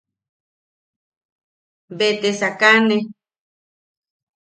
Be te sakane.